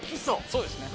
そうですね。